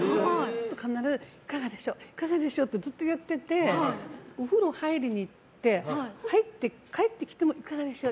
いかがでしょう？ってずっとやっててお風呂入りに行って帰ってきてもいかがでしょう？